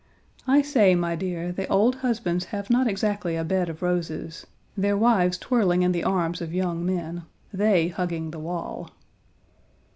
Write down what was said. I say, my dear, the old husbands have not exactly a bed of roses; their wives twirling in the arms of young men, they hugging the wall."